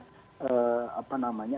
ada perasaran apa namanya